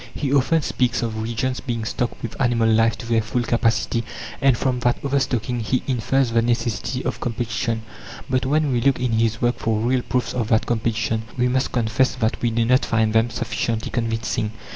He often speaks of regions being stocked with animal life to their full capacity, and from that overstocking he infers the necessity of competition. But when we look in his work for real proofs of that competition, we must confess that we do not find them sufficiently convincing.